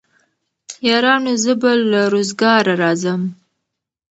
يارانو زه به له روزګاره راځم